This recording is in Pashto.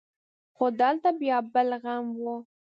خو دلته بيا بل غم و.